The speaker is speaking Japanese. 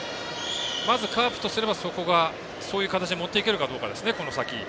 まず、カープとすればそこが、そういう形に持っていけるかどうかですね、この先。